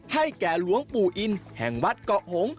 ให้แก่หลวงปู่อินแห่งวัดเกาะหง